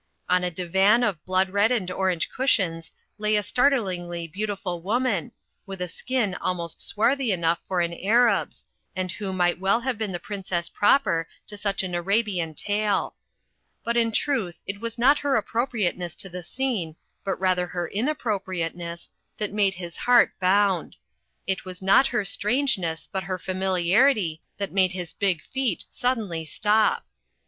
On a divan of blood red and orange cushions lay a startlingly beautiful woman, with a skin almost swarthy enough for an Arab's, and who might well have been the Princess proper to such an Arabian tale. But in truth it was not her appropriateness to the scene, but rather her inappropriateness, that made his heart bound. It was not her strangeness but her familiarity that made his big feet suddenly stop.